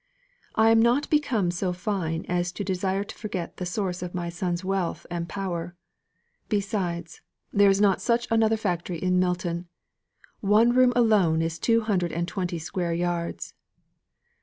I am not become so fine as to desire to forget the source of my son's wealth and power. Besides, there is not such another factory in Milton. One room alone is two hundred and twenty square yards."